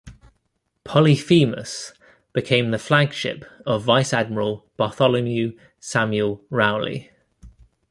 "Polyphemus" became the flagship of Vice-Admiral Bartholomew Samuel Rowley.